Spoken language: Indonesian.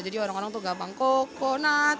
jadi orang orang tuh gampang coconut